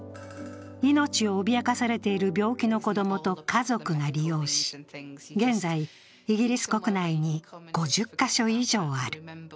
命を脅かされている病気の子供と家族が利用し現在、イギリス国内に５０カ所以上ある。